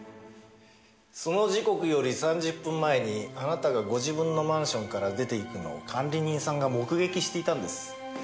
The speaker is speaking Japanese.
その時刻より３０分前にあなたがご自分のマンションから出て行くのを管理人さんが目撃していたんです。